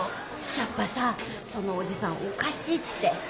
やっぱさそのおじさんおかしいって。